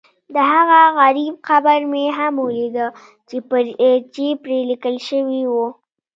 دهغه غریب قبر مې هم ولیده چې پرې لیکل شوي و.